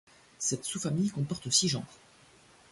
Cette sous-famille comporte six genres.